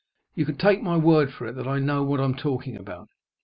You can take my word for it that I know what I'm talking about.